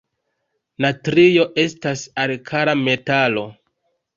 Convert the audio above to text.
Natrio estas alkala metalo.